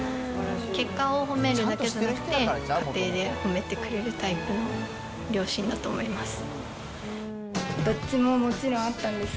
結果を褒めるだけじゃなくて、過程で褒めてくれるタイプの両親だと思います。